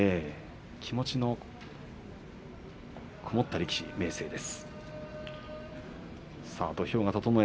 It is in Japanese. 気持ちのこもった力士明生です。